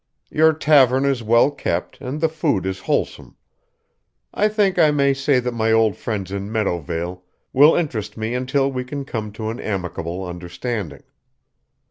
Your tavern is well kept and the food is wholesome. I think I may say that my old friends in Meadowvale will interest me until we can come to an amicable understanding.